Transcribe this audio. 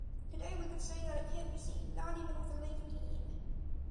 Today we could say that it can’t be seen, not even with a laser beam.